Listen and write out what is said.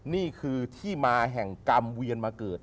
นี่คือที่มาแห่งกรรมเวียนมาเกิด